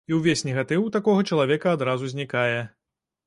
І ўвесь негатыў у такога чалавека адразу знікае.